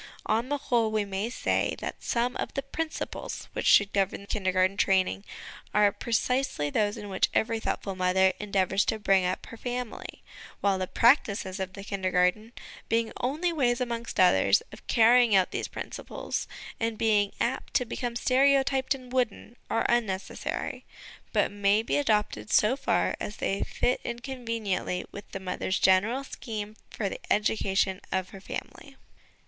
On the whole, we may say that some of the principles which should govern Kindergarten training are pre cisely those in which every thoughtful mother en deavours to bring up her family ; while the practices of the Kindergarten, being only ways, amongst others, of carrying out these principles, and being apt to become stereotyped and wooden, are unnecessary, but may be adopted so far as they fit in conveniently with the mother's general scheme for the education of her family.